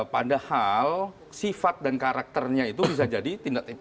padahal sifat dan karakternya itu bisa jadi tindak pidana